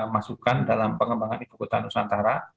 masukan dalam pengembangan ibu kota nusantara